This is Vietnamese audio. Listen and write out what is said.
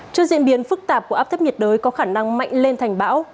trước diễn biến phức tạp của áp thấp nhiệt đới có khả năng mạnh lên thành bão